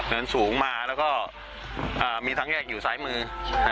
สูงมาแล้วก็มีทางแยกอยู่ซ้ายมือ